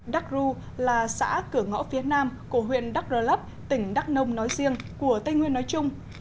đắc rưu là xã cửa ngõ phía nam của huyện đắc rơ lấp tỉnh đắc nông nói riêng của tây nguyên nói chung